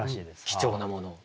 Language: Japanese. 貴重なものを。